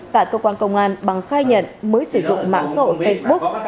tại cơ quan công an bằng khai nhận mới sử dụng mạng xã hội facebook